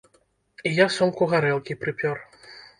І я сумку гарэлкі прыпёр.